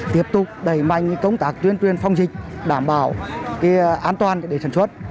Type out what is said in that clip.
tiếp tục đẩy mạnh công tác tuyên truyền phòng dịch đảm bảo an toàn để sản xuất